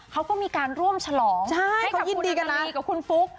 เขาก็มีการร่วมฉลองให้กับคุณอันนาลีกับคุณฟุ๊ก